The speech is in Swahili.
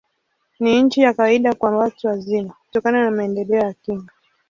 Ni chini ya kawaida kwa watu wazima, kutokana na maendeleo ya kinga.